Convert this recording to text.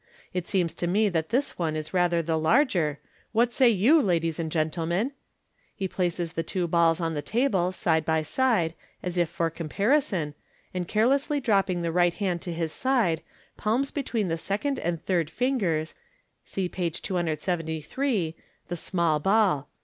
It seems to me that this one is rathe/ the larger, what say you, ladies and gentlemen ?*' He places the two balls on the table, side by side, as if for comparison, and carelessly dropping the right hand to his side, palms between the second and third fingers (see page 273), the small ball.